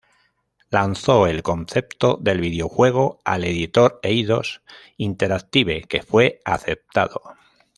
Lanzó el concepto del videojuego al editor Eidos Interactive, que fue aceptado.